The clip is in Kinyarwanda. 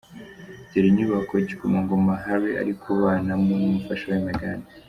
Dore inyubako Igikomangoma Harry ari kubana mo n’umufasha we Meghan .